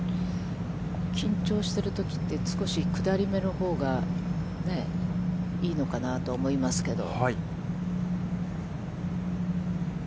緊張しているときって、少し下りめのほうが、いいのかなと思いますけど。